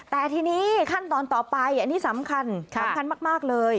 แต่ทีนี้ขั้นตอนต่อไปอันนี้สำคัญสำคัญมากเลย